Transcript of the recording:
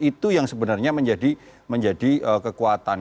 itu yang sebenarnya menjadi kekuatan